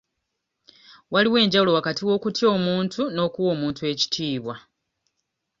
Waliwo enjawulo wakati w'okutya omuntu n'okuwa omuntu ekitiibwa.